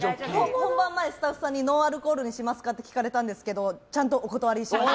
本番前、スタッフさんにノンアルコールにしますか？って聞かれたんですがちゃんとお断りしました。